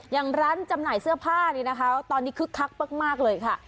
อย่างร้านจำหน่ายเสื้อผ้านี้นะคะตอนนี้คึกคักมากเลยค่ะ